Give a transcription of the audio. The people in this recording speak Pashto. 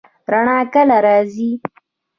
رڼا کله راځي؟